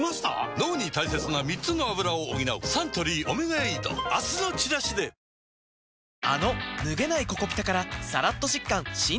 脳に大切な３つのアブラを補うサントリー「オメガエイド」明日のチラシで・ああいう感じでトラックで来るうわ